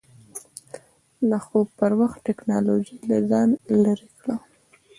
د خوب پر وخت ټېکنالوژي له ځان لرې کړه.